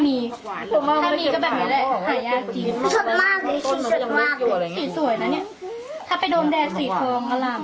สีสวยนะเนี้ยถ้าไปโดมแดดสีทองก็หล่ำเลย